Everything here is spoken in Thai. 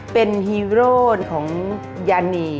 เป็นฮีโร่ของยานี